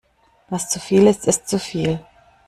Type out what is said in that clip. Was zu viel ist, ist zu viel.